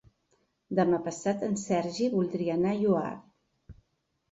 Demà passat en Sergi voldria anar al Lloar.